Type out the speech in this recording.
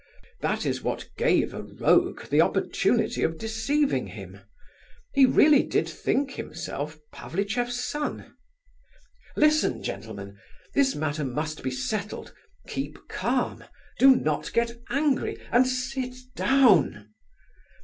That is what gave a rogue the opportunity of deceiving him; he really did think himself Pavlicheff's son. Listen, gentlemen; this matter must be settled; keep calm; do not get angry; and sit down!